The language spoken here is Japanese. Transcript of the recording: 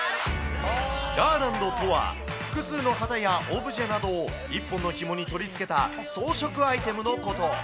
ガーランドとは、複数の旗やオブジェなどを一本のひもに取り付けた装飾アイテムのこと。